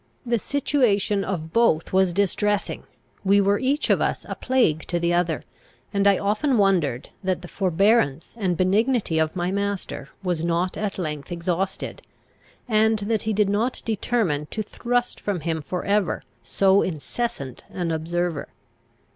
The situation of both was distressing; we were each of us a plague to the other; and I often wondered, that the forbearance and benignity of my master was not at length exhausted, and that he did not determine to thrust from him for ever so incessant an observer.